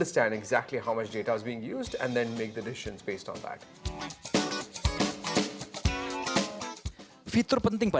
jadi aplikasi latar belakang tidak bisa menggunakan data anda